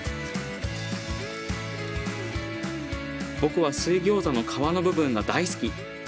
僕は水ギョーザの皮の部分が大好き！